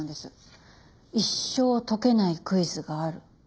「一生解けないクイズがある。